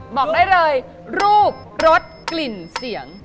บอกได้เลยรูปรสกลิ่นเสียง